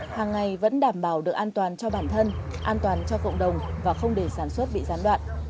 hàng ngày vẫn đảm bảo được an toàn cho bản thân an toàn cho cộng đồng và không để sản xuất bị gián đoạn